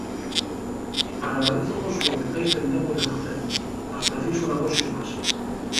Agradézovos lo que tais tentando de facer, mas preciso una dosis más.